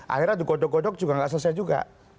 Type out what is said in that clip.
akhirnya dukodok dukodok juga gak selesai juga